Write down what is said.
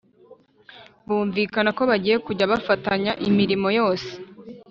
bumvikana ko bagiye kujya bafatanya imirimo yose